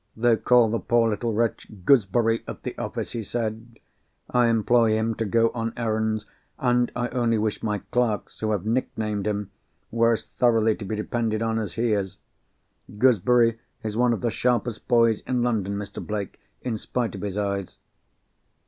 "They call the poor little wretch 'Gooseberry' at the office," he said. "I employ him to go on errands—and I only wish my clerks who have nick named him were as thoroughly to be depended on as he is. Gooseberry is one of the sharpest boys in London, Mr. Blake, in spite of his eyes."